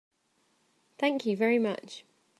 Thank you very much.